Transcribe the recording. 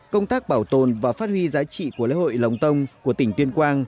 công tác bảo tồn và phát huy giá trị của lễ hội lồng tông của tỉnh tuyên quang